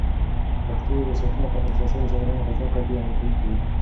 پښتو ویبسایټونو ته لاسرسی د شاګردانو په زده کړه کي همکاری کوي.